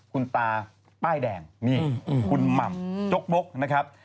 คุณตาป้ายแดงนี่คุณหม่ำจกบกนะครับ